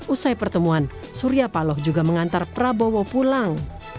usai pertemuan surya paloh juga mengantar prabowo pulang